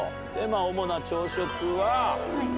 主な朝食は。